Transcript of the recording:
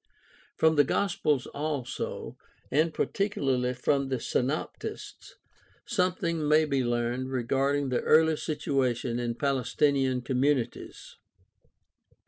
From the Gospels also, and particularly from the Synoptists, something may be learned regarding the early situation in Palestinian communities.